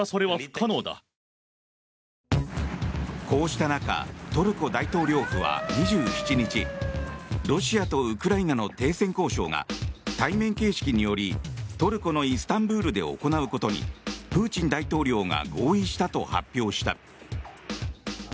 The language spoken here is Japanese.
こうした中、トルコ大統領府は２７日ロシアとウクライナの停戦交渉が対面形式によりトルコのイスタンブールで行うことにプーチン大統領が合意したと発表した。